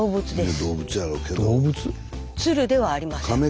鶴ではありません。